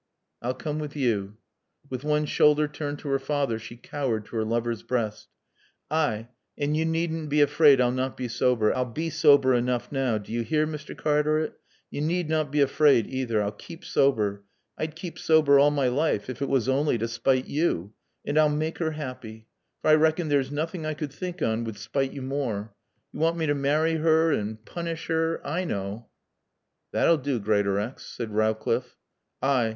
"I'll come with you." With one shoulder turned to her father, she cowered to her lover's breast. "Ay, an' yo' need n' be afraaid I'll not bae sober. I'll bae sober enoof now. D'ye 'ear, Mr. Cartaret? Yo' need n' bae afraaid, either. I'll kape sober. I'd kape sober all my life ef it was awnly t' spite yo'. An' I'll maake 'er 'appy. For I rackon theer's noothin' I could think on would spite yo' moor. Yo' want mae t' marry 'er t' poonish 'er. I knaw." "That'll do, Greatorex," said Rowcliffe. "Ay.